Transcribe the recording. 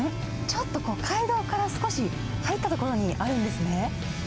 ちょっと街道から少し入った所にあるんですね。